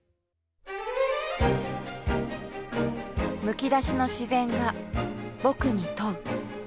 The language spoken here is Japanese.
むきだしの自然が僕に問う。